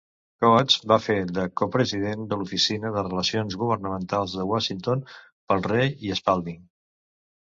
Coats va fer de co-president de l"oficina de relacions governamentals de Washington pel Rei i Spalding.